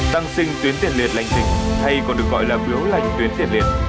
tăng sinh tuyến tiền liệt lành tính hay còn được gọi là phiếu lành tuyến tiền liệt